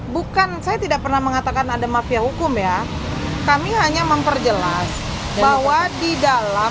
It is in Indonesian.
bukan saya tidak pernah mengatakan ada mafia hukum ya kami hanya memperjelas bahwa di dalam